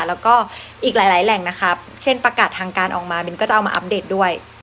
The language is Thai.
แล้วก็อีกหลายแหล่งนะครับเช่นประกาศทางการออกมาบินก็จะเอามาอัปเดตด้วย